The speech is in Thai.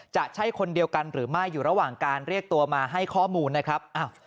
จะใช่คนเดียวกันหรือไม่อยู่ระหว่างการเรียกตัวมาให้ข้อมูลนะครับ